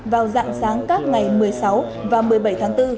vào dạng sáng các ngày một mươi sáu và một mươi bảy tháng bốn